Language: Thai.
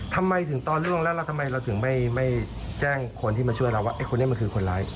ทำไมถึงตอนล่วงแล้วเราทำไมเราถึงไม่แจ้งคนที่มาช่วยเราว่าไอคนนี้มันคือคนร้าย